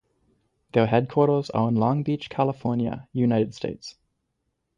Their headquarters are in Long Beach, California, United States.